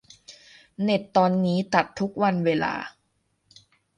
เน็ตตอนนี้ตัดทุกวันเวลา